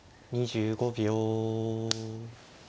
２５秒。